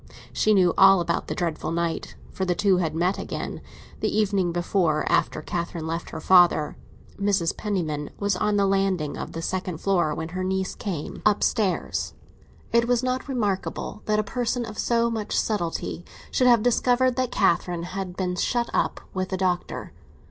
She knew all about her dreadful night, for the two had met again, the evening before, after Catherine left her father. Mrs. Penniman was on the landing of the second floor when her niece came upstairs. It was not remarkable that a person of so much subtlety should have discovered that Catherine had been shut up with the Doctor.